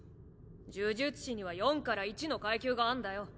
呪術師には４から１の階級があんだよ。